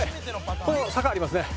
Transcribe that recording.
この坂ありますね。